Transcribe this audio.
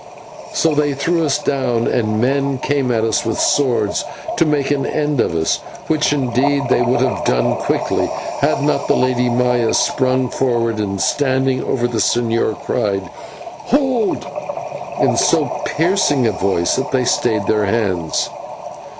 So they threw us down, and men came at us with swords to make an end of us, which indeed they would have done quickly, had not the Lady Maya sprung forward, and, standing over the señor, cried "Hold!" in so piercing a voice that they stayed their hands.